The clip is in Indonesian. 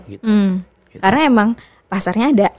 karena emang pasarnya ada